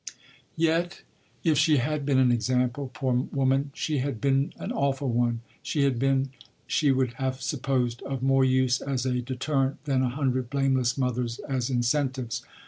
” Yet if she had been an example, poor woman, she had been an awful one; she had been, she would have supposed, of more use as a deterrent than a hundred blameless mothers as incentives.